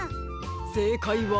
せいかいは。